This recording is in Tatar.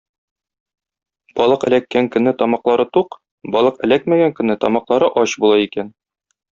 Балык эләккән көнне тамаклары тук, балык эләкмәгән көнне тамаклары ач була икән.